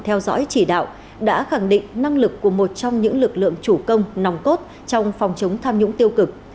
theo dõi chỉ đạo đã khẳng định năng lực của một trong những lực lượng chủ công nòng cốt trong phòng chống tham nhũng tiêu cực